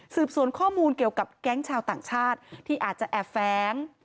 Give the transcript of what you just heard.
สืบสวนข้อมูลเกี่ยวกับแก๊งชาวต่างชาติที่อาจจะแอบแฟ้ง